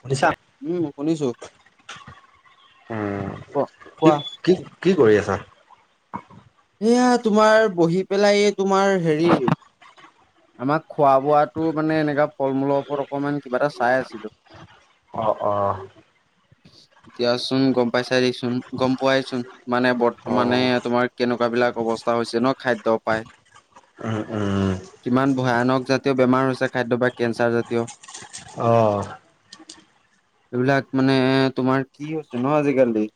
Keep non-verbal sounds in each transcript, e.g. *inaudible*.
শুনিছা? উম শুনিছো উম, ক কি কোৱা কি কি কৰি আছা? সেয়া তোমাৰ বহি পেলাই এই তোমাৰ হেৰি আমাক খোৱা বোৱাটো মানে এনেকা ফল মূলৰ ওপৰত অকমান কিবা এটা চাই আছিলোঁ। অ', অ'। এতিয়াচোন, গম পাইছাই দিয়াচোন, গম পোৱাইচোন। মানে বৰ্তমানে অ'। তোমাৰ কেনেকুৱা বিলাক অৱস্থা হৈছে ন' খাদ্য পায়। উম, উম। কিমান ভয়ানক জাতীয় বেমাৰ হৈছে খাদ্য বা কেঞ্চাৰ জাতীয়। অ'। এইবিলাক মানে তোমাৰ কি হৈছে ন' আজিকালি।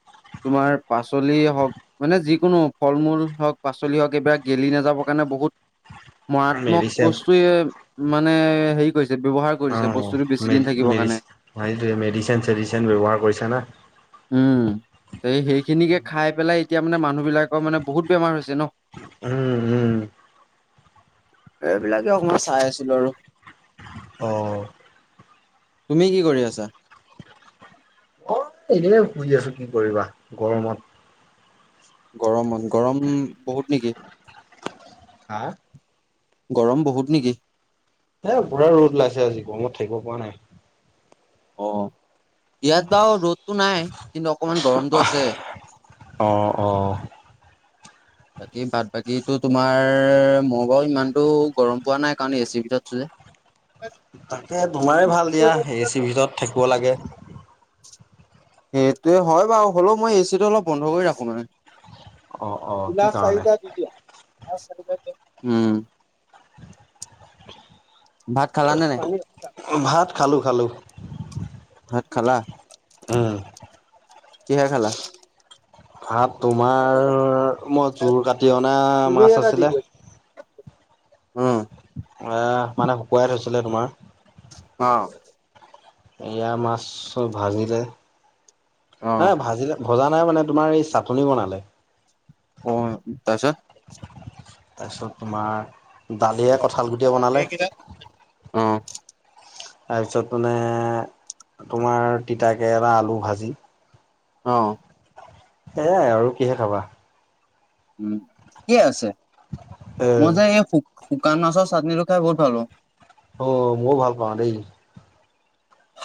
তোমাৰ পাচলি হওক মানে যিকোনো ফল মূল হওঁক, পাচলি হওঁক এইবিলাক গেলি নাযাবৰ কাৰণে বহুত মৰাত মক মেডিচিন বস্তুৱে মানে হেৰি কৰিছে ব্যৱহাৰ কৰিছে অ' বস্তুটো মে বেছি দিন থাকিব মেডিচ কাৰণে। সেইটোৱে মেডিচেন চেডিচেন ব্যৱহাৰ কৰিছে না। উম, এই সেইখিনিকে খাই পেলাই এতিয়া মানে মানুহবিলাকৰ মানে বহুত বেমাৰ হৈছে ন'। উম, উম। এইবিলাকে অকণমান চাই আছিলোঁ আৰু। অ'। তুমি কি কৰি আছা? এনে শুই আছোঁ, কি কৰিবা গৰমত। গৰম, গৰম বহুত নেকি? হা? গৰম বহুত নেকি? এ, পুৰা ৰ'দ ওলাইছে আজি, গৰমত থাকিব পৰা নাই। অ' ইয়াত বাৰু ৰ'দটো নাই কিন্তু অকমান গৰমটো আছে। অ', অ'। বাকী বাট বাকীতো তোমাৰ মই বাৰু ইমানটো গৰম পোৱা নাই কাৰণ এচিৰ ভিতৰত আছোঁ যে। *inaudible* তাকে তোমাৰে ভাল দিয়া এ চিৰ ভিতৰত থাকিব লাগে। সেইটোৱে হয় বাৰু, হ'লেও মই এচিটো অলপ বন্ধ কৰি ৰাখোঁ মানে। অ', অ' কি গিলাচ কাৰণে? চাৰিটা দি দিয়া *unintelligible* উম। ভাত খালা নে নাই? ভাত খালোঁ খালোঁ। ভাত খালা? উম। কিহে খালা? ভাত তোমাৰ, মই জোৰ কাটি অনা মাছ আছিলে। উম। অই মানে শুকুৱাই থৈছিলে তোমাৰ? অ'। এয়া মাছব ভাজিলে, হে অ', ভাজিলে ভজা নাই মানে তোমাৰ এই চাটনি বনালে। অই', তাৰপিছত? তাৰপিছত তোমাৰ দালিয়ে, কঁঠাল গুটিয়ে বনালে। অ', তাৰপিছত মানে তোমাৰ তিতাকেৰেলা, আলু ভাজি। অ'। এয়াই আৰু কিহে খাবা। উম, ঠিকে আছে, এ মই যে এই শু শুকান মাছৰ চাটনিটো খাই বহুত ভাল পাওঁ। অ', মইও ভাল পাওঁ দেই।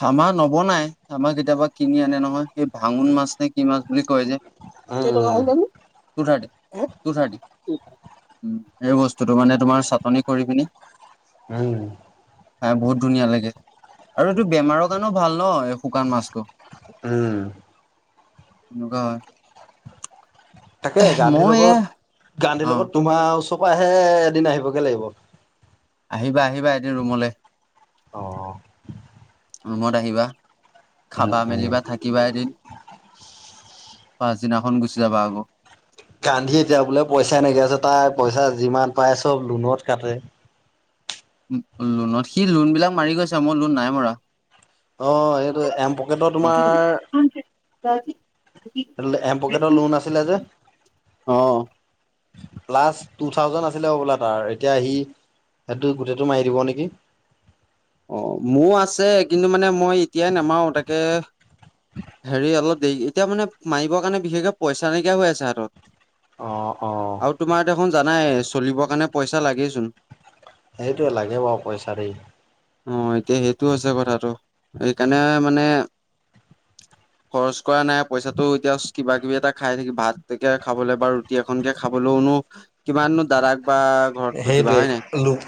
আমাৰ নবনাই, আমাৰ কেতিয়াবা কিনি আনে নহয়। এই ভাঙুন মাছ নে কি মাছ বুলি কয় যে? কেইটকা উম হল জানো? টো থাৰ্টি টো থাৰ্টি। উম, সেই বস্তুটো মানে তোমাৰ চাটনি কৰি পিনি *unintelligible* খাই বহুত ধুনীয়া লাগে। আৰু এইটো বেমাৰৰ কাৰণেও ভাল ন' এই শুকান মাছটো। উম। এনুকোৱা হয়। তাকে গান্ধীৰ ময়ো এয়া লগত, গান্ধীৰ অ', লগত তোমাৰ ওচৰ পৰাহে এদিন আহিবগে লাগিব। আহিবা আহিবা এদিন ৰুমলে। অঁ। ৰুমত আহিবা, উম খাবা উম। মেলিবা থা কিবা এদিন পাছদিনাখন গুচি যাবা আকৌ। গান্ধী এতিয়া বোলে পইচা নাইকীয়া আছে, তাৰ পইচা যিমান পাই চব লোনত কাটে। লোনত সি লোনবিলাক মাৰি গৈছে মোৰ লোন নাই মৰা। অ এইটোৱে এম পকেটৰ তোমাৰ তাত এল এম পকেটৰ লোন আছিলে যে? অ অ প্লাছ টু থাউজেণ্ড আছিলে হ'বলা তাৰ এতিয়া আহি সেইটো গোটেইটো মাৰি দিব নেকি? অ মোৰ আছে কিন্তু মানে মই এতিয়াই নামাৰো তাকে হেৰি অলপ দেৰি এতিয়া মানে মাৰিবৰ কাৰণে বিশেষকে পইচা নাইকিয়া হৈ আছে হাতত। অঁ অঁ। আৰু তোমাৰ দেখোন জানাই চলিবৰ কাৰণে পইচা লাগেচোন। সেইটোৱে লাগে বাৰু পইচা দেই। অ এতিয়া সেইটো হৈছে কথাটো সেইকাৰণে মানে *inaudible* খৰচ কৰা নাই পইচাটো জাষ্ট কিবা কিবি এটা খাই থাকি ভাতকে খাবলৈ বা ৰুটি এখনকে খাবলৈওনো কিমাননো দাদাক বা ঘৰত খুজিবা সেইটোৱে হয় নাই লোক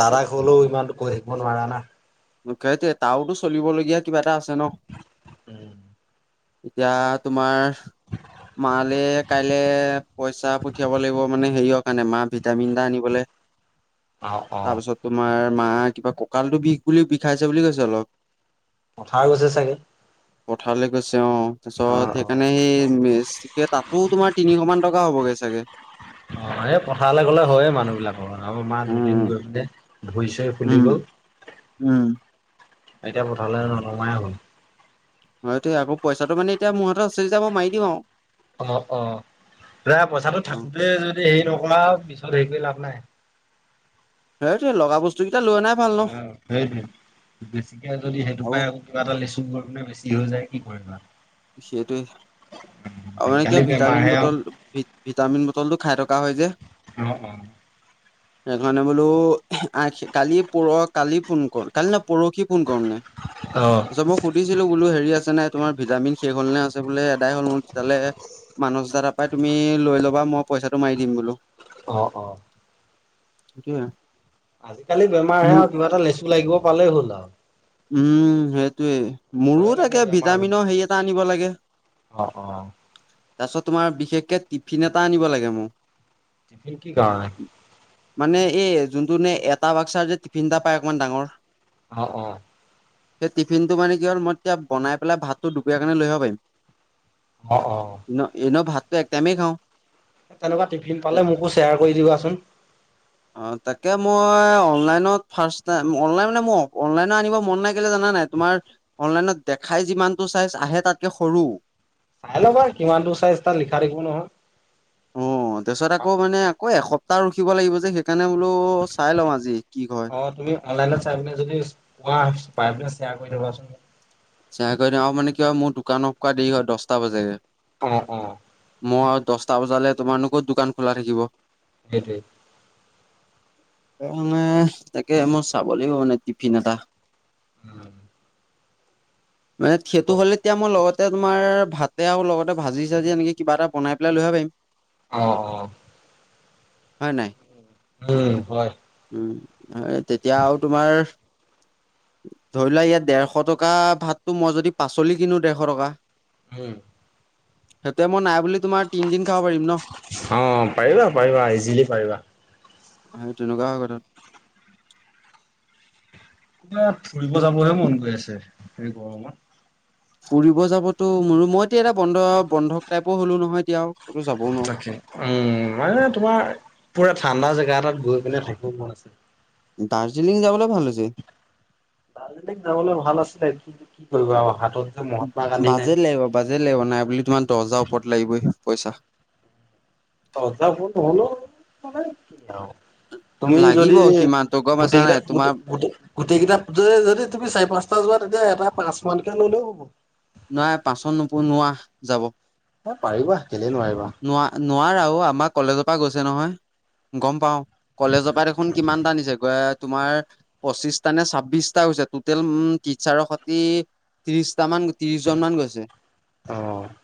দাদাক হ'লেও ইমানতো কৈ থাকিব নোৱাৰা না দুখটো তাৰওতো চলিবলগীয়া কিবা এটা আছে ন? উম। এতিয়া তোমাৰ মালে কাইলে পইচা পঠিয়াব লাগিব মানে হেৰিৰ কাৰণে মা ভিটামিন এটা আনিবলে। অ' অ' তাৰপিছত তোমাৰ মা কিবা কঁকালটো বিষ। পুলি বিষাইছে বুলি কৈছে অলপ পথাৰ গৈছে চাগে? পথাৰলে গৈছে অ অ' তাৰপিছত অ'। সেইকাৰণে মানে সেই মেজ তাতো তোমাৰ তিনিশ মান টকা হ'বগে চাগে? অ এই পথাৰলে গলে হয়ে মানুহ বিলাকৰ আ মা দুদিন উম গৈ পিনে ধুৰিছো। ফুলি উম গ'ল। উম। এতিয়া পথাৰলৈ নমাই হ'ল। হয়টো আকৌ পইচাটো মে এতিয়া মোৰ হাততে আছে যদি মই মাৰি দিম আৰু অ অ এয়া পইচাটো অ থাকোতে যদি হেৰি নকৰা পিছত হেৰি কৰি লাভ নাই। সেইটোৱে লগা বস্তু লৈ অনা অ সেই বেছিকে যদি সেইটো আৰু পাই আ কিবা এটা লেচু গৰ মনে বেছি হৈ যায় কি কৰিবা? সেইটোৱে আৰু মানে আজিকালি কিয় ভিটামিন বেমাৰহে আৰু বটল। ভিটামিন বটলটো খাই থকা হয় যে অ, অ, সেইকাৰণে বোলো আ কালি পৰ কালি ফোন কৰ কালি না পৰহি ফোন কৰোতে অ তাৰপাছত মই সুধিছিলোঁ হেৰি আছেনে? তোমাৰ ভিটামিন। শেষ হ'ল নে আছে বোলে এদাই হ'ল মোৰ জালে মানচ দাদা পাই তুমি লৈ ল'বা মই পইচাটো মাৰি দিম বোলোঁ। অ, অ, কি? আজিকালি বেমাৰ আহে আৰু কিবা এটা লেচু লাগিব পালেই হ'ল আৰু উম সেইটোৱে। মোৰো ভয়ে লাগে তাকে বেমাৰ বুলি ভিটামিনৰ ক'লে। হেৰি এটা আনিব লাগে। অ অ তাৰপিছত তোমাৰ বিশেষকে টিফিন এটা আনিব লাগে মোক। টিফিন কি কাৰণে? মানে এ যোনটো মানে এটা বাক্সাৰ যে টিফিন এটা পাই অকণমান ডাঙৰ। অ, অ, সেই টিফিনটো মানে কি হল মই এতিয়া বনাই পেলাই ভাতটো দুপৰীয়া কাৰণে লৈ আহিব পাৰিম। অ, অ, এনেও ভাতটো এক টাইমেই খাওঁ। তেনেকুৱা টিফিন পালে মোকো শ্বেয়াৰ কৰি দিবাচোন। অ তাকে মই অনলাইনত ফাৰ্ষ্ট টাইম অনলাইন মানে মই অনলাইনো আনিব মন নাই কেলে জানানে নাই তোমাৰ অনলাইনত দেখাই যিমানটো চাইজ আহে তাতকে সৰু চাই ল'বা কিমান টো চাইজ তাত লিখা থাকিব নহয়। অ তাৰপিছত আকৌ মানে আকৌ এসপ্তাহ ৰখিব লাগিব যে সেই তেনেহলেও, চাই লও আজি কি হয়। অঁ তুমি অনলাইনত চাই পিনে যদি পোৱা পাই পিনে শ্বেয়াৰ কৰি থবাচোন। ছেয়াৰ কৰি দিম, আৰু মানে কি হয়, মোৰ দোকান অফ কৰা দেৰি হয়, দছটা বাজেগৈ। অ, অ। মই দছ টা বজালে তোমাৰনো ক'ত দোকান খোলা থাকিব! সেইটোৱেই অনলাইন তাকে, মই চাব লাগিব মানে টিফিন এটা। উম মানে সেইটো হ'লে তেতিয়া মই লগত তে মই ভাতে আৰু লগতে ভাজি চাজি এনেকে কিবা এটা বনাই পেলাই লৈ আহিব পাৰিম। অ' হয় নাই? উম, হয়। উম, হয় তেতিয়া আৰু তোমাৰ ধৰি লোৱা ইয়াত দেৰশ টকা ভাতটো, মই যদি পাচলি কিনো দেৰশ টকা উম সেইটো সময় নাই বুলি তোমাৰ তিনদিন খাব পাৰিম ন অ', পাৰিবা, পাৰিবা, ইজিলি পাৰিবা। সেই তেনেকুৱা হয় কথাটো ক'ৰবাত ফুৰিব যাবহে মন গৈ আছে, এই গৰমত ফুৰিব যাবতো মোৰো মই এতিয়া এটা বন্ধ বন্ধক টাইপৰ হ'লো নহয় এতিয়াও আও তাকে উম, মানে তোমাৰ পুৰা ঠাণ্ডা জেগা এটাত গৈ পিনে থাকিব মন আছে। দাৰ্জিলিং যাবলৈ ভাল হৈছে। দাৰ্জিলিং যাবলৈ ভাল আছিলে, কিন্তু কি কৰিবা আও হাতত যে মহাত্মা গান্ধী নাই। বাজেট লাগিব, বাজেট লাগিব, নাই বুলি তোমাৰ দহ হাজাৰৰ ওপৰত লাগিব পইচা। দহ হাজাৰ ওপৰত নহ'লেও হ'ব, মানে কি আও তুমি লাগিব যদি সিমানতো গম পাইছা গোটেই কেইটা নাই তোমাৰ গোটে, গোটে গোটেইকেইটা, গোটেই যদি তুমি চাৰি পাঁচটা যোৱা তেতিয়া এটা পাঁচ মানকে হ'লেও হ'ব। নাই পাঁচত নোপো নোৱাৰা, যাব। এ পাৰিবা, কেলেই নোৱাৰিবা! নোৱা, নোৱাৰা অ', আমাৰ কলেজৰপা গৈছে নহয়, গম পাওঁ। কলেজৰপা দেখোন কিমান টা নিছে, *unintelligible* তোমাৰ পঁচিশটা নে ছাব্বিশটা হৈছে, টোটেল উম টিচাৰৰ সতি ত্ৰিশটা মান, ত্ৰিশ জন মান গৈছে। অ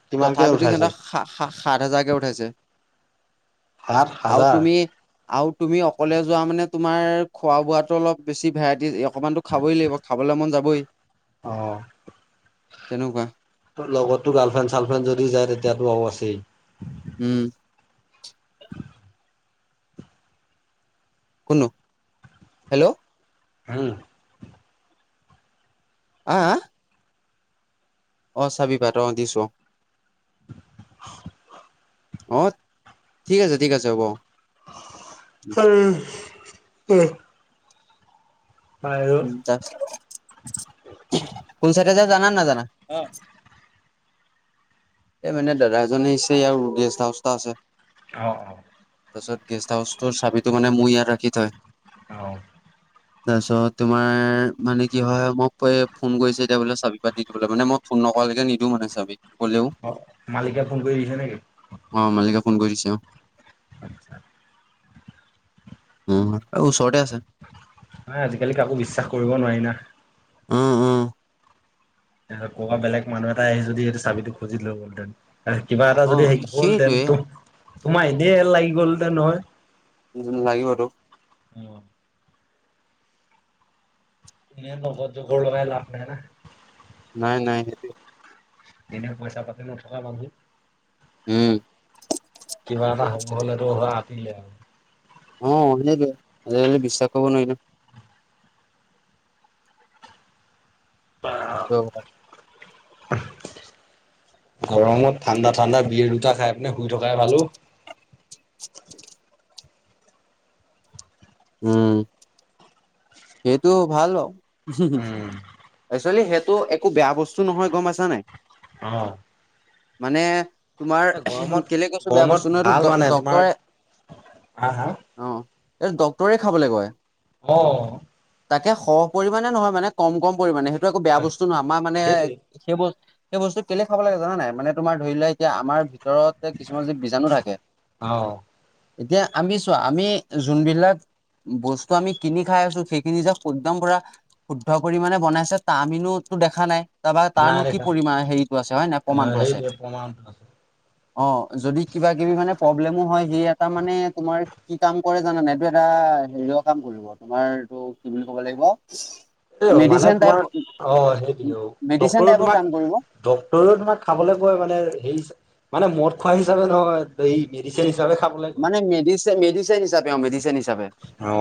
কিমানকে তথাপিতো উঠাইছে সিহঁতৰ সা সা, সাত হাজাৰকে উঠাইছে। সাত আৰু হাজাৰ তুমি আৰু তুমি অকলে যোৱা মানে তোমাৰ খোৱা বোৱাটো অলপ বেছি ভেৰাইটি, অকমানতো খাবই লাগিব, খাবলৈ মন যাবই। অ' তেনেকুৱা তো লগততো গাৰ্লফ্ৰেণ্ড চাৰ্লফ্ৰেণ্ড যদি যায়, তেতিয়াতো আৰু আছেই উম কোননো? হেল্ল' *inaudible* আ, আ অ চাবি পাৰ অ দিছো অ *inaudible* অঁ ঠিক আছে ঠিক আছে হ'ব উম উম হয় আৰু দাকছিলো কুন চাইডে যাই জানা নাজানা এই মানে দাদা এজনে ইছে ইয়াৰ গেষ্ট হাউচ এটা আছে অঁ অঁ তাৰপিছত গেষ্ট হাউচৰ চাবিটো মানে মোৰ ইয়াত ৰাখি থয় অ তাৰপিছত তোমাৰ মানে কি হয় মোক ফোন কৰিছে এতিয়া বোলে চাবি পাত দি দিবলে মানে মই ফোন নকৰালৈকে নিদিওঁ মানে চাবি ক'লেও অ মালিকে ফোন কৰি দিছে নেকি অ মালিকে ফোন কৰি দিছে আতছা উম আৰু ওচৰতে আছে ন আজিকালি কাকো বিশ্বাস কৰিব নোৱাৰি না উম উম তাৰিছ ক বেলেগ মানুহ এটা আহি যদি এইটো চাবিো খুজিলৈ গ'লহেতেন কিবা এটা অ যদি শিকে গ'ল দেন সেইটোৱে তোম তোমাৰ এনেই লাগি গল দেন নহয় লাগিবতো অ এনেই জগতৰ চগৰ লগাই লাভ নাই না নাই নাই সেইতোৱে এনেও পইচা পাতি নথকা মানুহ উম কিবা এটা হ'ব হলেতো হোৱা আতিলে আৰু অ অ সেইটোৱে আজিকালি বিশ্বাস কৰিব নোৱাৰি অ গৰমত ঠাণ্ডা ঠাণ্ডা বিয়েৰ দুটা খাই পিনে শুই থকাই ভালো উম সেইটো ভাল বাৰু উম একচোৱেলি সেইটো একো বেয়া বস্তু নহয় গম পাইছা নাই অ মানে তোমাৰ এ গৰমত কেলে কৈছো বেয়া গৰমত বস্তু এতো ভাল মানে তোমাৰ ডক্তৰে হা হা অ এই ডক্তৰে খাবলৈ কয় অ তাকে সৰহ পৰিমাণে নহয় মানে কম কম পৰিমাণে সেইটো একো বেয়া বস্তু নহয় আমাৰ মানে সেইটোৱে সেই ব সেই বস্তু কেলে খাব লাগে জান নাই মানে তোমাৰ ধৰি লোৱা এতিয়া আমাৰ ভিতৰত কিছুমান যীৱ বীজাণু থাকে অ', এতিয়া আমি চো আমি যোনবিলাক বস্তু আমি কিনি খাই আছো সেইখিনি যে একদম পুৰা শুদ্ধ পৰিমাণে বনাইছে ত আমিনোতো দেখা নাই তাৰপা নাই তাৰনো কি দেখা পৰিা হেৰিটো আছে হয় নাই অ', প্ৰমাণটো আছে সেইটোৱে প্ৰমাণ অ যদি কিবা কিবি মানে প্ৰব্লেমো হয় সেই এটা মানে তোমাৰ কাম কৰে জানা নাই, এইটো এটা হেৰিয়ৰ কাম কৰিব তোমাৰ এইটো কি বুলি ক'ব লাগিব এই মানে মেডিচিন তোমাৰ টাইপ অ সেইটো অ মেডিচিন ডাক্তৰে টাইপৰ তোমাক কাম কৰিব ডাক্তৰে তোমাক খাবলৈ কয় মানে হেৰি মানে মদ খোৱা হিচাপে নহয় হেই মানে মেডিচিন হিচাপে অঁ মেডিচিন হিচাপে। অ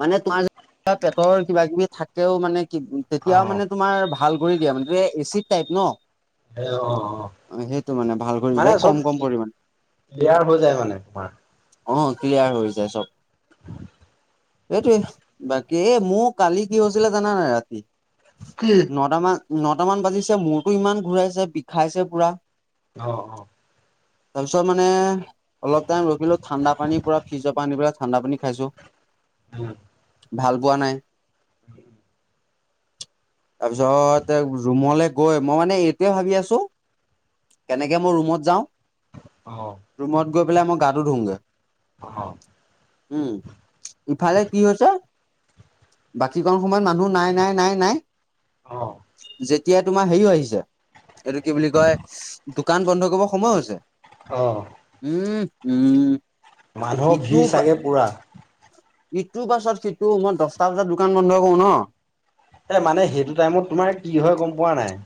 মানে তোমাৰ যে পেটৰ কিবা কিবি থাকেও মানে তেতিয়াও মানে তোমাৰ ভাল কৰি দিয়া মানে এচিড টাইপ ন। এ অ অ সেইটো মানে ভাল কৰি যায় কম কম পৰিমানে। ক্লিয়েৰ হৈ যায় মানে তোমাৰ। আহ ক্লিয়াৰ হৈ যায় চব। সেইটোৱে বা কী এ মোৰ কালি কি হৈছিলে জানা নাই ৰাতি। কি? নটামান নটামান বাজিছে মূোৰতো ইমান ঘূৰাইছে বিষাইছে পুৰা। অ অ। তাৰপিছত মানে অলপ টাইম ৰখিলো ঠাণ্ডা পানীৰ পুৰা ফ্ৰিজৰ পৰা আনি পেলাই ঠাণ্ডা পানী খাইছো। উম ভাল পোৱা নাই। *inaudible* তাৰপিছত ৰুমলে গৈ মই মানে এইটোয়ে ভাবি আছো। কেনেকে মই ৰুমত যাওঁ। অঁ। ৰুমত গৈ পেলাই মই গাটো ধুওঁগৈ। অহ উম ইফালে কি হৈছে বাকীকণ সময়ত মানুহ নাই নাই নাই নাই। অ। যেতিয়া তোমাৰ হেৰিও আহিছে এইটো কি বুলি কয় দোকান বন্ধ কৰিব সময় হৈছে। অ। উম হোম। মানুহৰ ভিৰ চাগে পূৰা। ইটোৰ পাছত সিটো মই দহটা বজাত দোকান বন্ধ কৰো ন। এ মানে সেইটো টাইমত তোমাৰ কি হয় গম পোৱা নাই।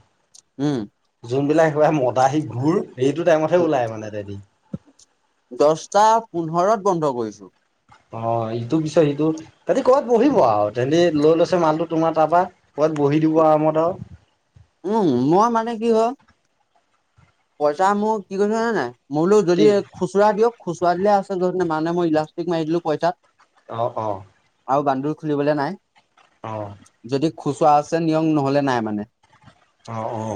উম। যোনবিলাক একেবাৰে মদাহি ঘূৰ সেইটো টাইমতহে ওলাই মানে তাহাতি। দহটা পোন্ধৰত বন্ধ কৰিছো। অ ইটো পিছত সিটো। তাহাতি কবাত বহিব আৰু তেহেঁতি লৈ লৈছে মালটো তোমাৰ তাৰ পৰা কবাত বহি দিব আৰামত আৰু। উম মই মানে কি হয় পইচা মোক কি কৈছে জানা নাই মই বোলো যদি কি খুচুৰা দিয়ক খুচুৰা দিলে আছে মানে মই ইলাষ্টিক মাৰি দিলো পইচাত। অঁ অঁ। আৰু বান্দোল খুলিবলে নাই। অ। যদি খুচুৰা আছে নিয়ক নহলে নাই মানে। অ অ।